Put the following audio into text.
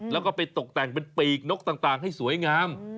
แล้วก็ไปตกแต่งเป็นปีกนกต่างให้สวยงาม